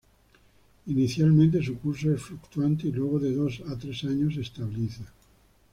Inicialmente su curso es fluctuante y luego de dos a tres años se estabiliza.